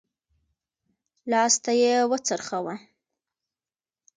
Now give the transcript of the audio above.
لاستی يې وڅرخوه.